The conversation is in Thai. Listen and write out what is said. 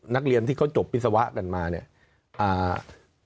นักเรียนที่เขาจบวิศวะกันมาเนี่ยอ่า